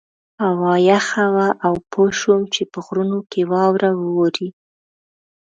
هوا یخه وه او پوه شوم چې په غرونو کې واوره وورې.